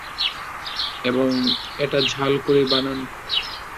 এবং এটা ঝাল করে বানান।